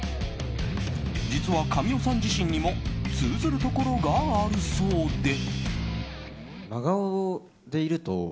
実は神尾さん自身にも通ずるところがあるそうで。